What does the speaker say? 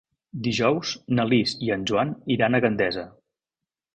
Dijous na Lis i en Joan iran a Gandesa.